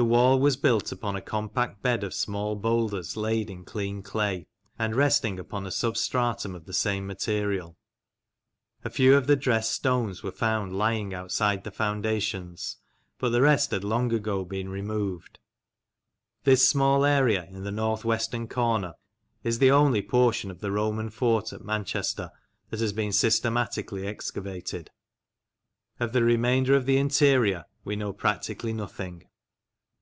The wall was built upon a compact bed of small boulders laid in clean clay, and resting upon a substratum of the same material. A few of the dressed stones were found lying outside the foundations, but the rest had long ago been removed. This small area in the north western corner is the only portion of the Roman fort at Manchester that has been systematically excavated. Of the remainder of the 42 MEMORIALS OF OLD LANCASHIRE interior we know practically nothing.